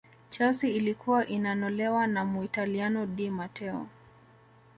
chelsea ilikuwa inanolewa na Muitaliano di mateo